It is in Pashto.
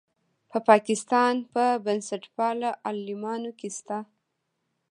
په پاکستان په بنسټپالو عالمانو کې شته.